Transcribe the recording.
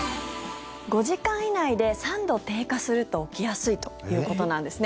５時間以内で３度低下すると起きやすいということなんです。